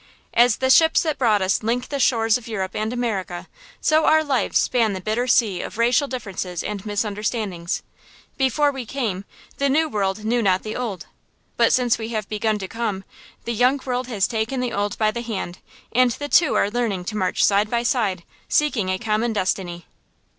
As the ships that brought us link the shores of Europe and America, so our lives span the bitter sea of racial differences and misunderstandings. Before we came, the New World knew not the Old; but since we have begun to come, the Young World has taken the Old by the hand, and the two are learning to march side by side, seeking a common destiny.